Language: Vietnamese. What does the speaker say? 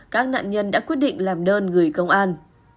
các nạn nhân đã quyết định làm đơn gửi công an